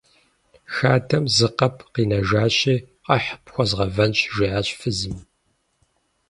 Хадэм зы къэб къинэжащи, къэхь, пхуэзгъэвэнщ, - жиӀащ фызым.